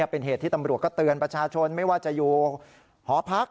เป็นเหตุที่ตำรวจก็เตือนประชาชนไม่ว่าจะอยู่หอพัก